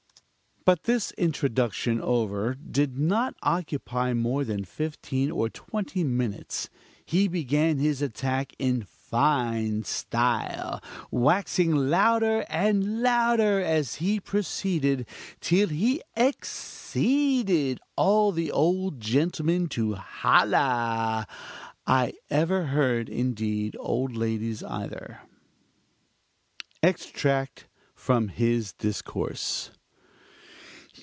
But this introduction over which did not occupy more than fifteen or twenty minutes he began his attack in fine style, waxing louder and louder as he proceeded, till he exceeded all the old gentlemen to "holler" I ever heard, and indeed old ladies either. EXTRACT FROM HIS DISCOURSE